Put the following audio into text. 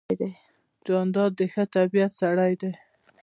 جانداد د ښه طبیعت سړی دی.